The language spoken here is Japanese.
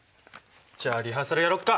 じゃあリハーサルやろっか。